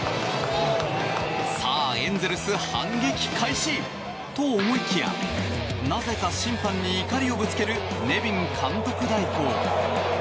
さあ、エンゼルス反撃開始と思いきやなぜか審判に怒りをぶつけるネビン監督代行。